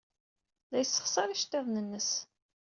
La yessexṣar iceḍḍiḍen-nnes.